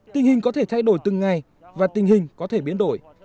tình hình có thể thay đổi từng ngày và tình hình có thể biến đổi